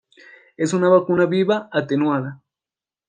Es una vacuna viva atenuada.